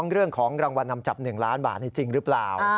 เรื่องของรางวัลนำจับ๑ล้านบาทจริงหรือเปล่า